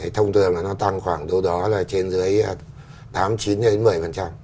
thông thường là nó tăng khoảng đâu đó là trên dưới tám chín một mươi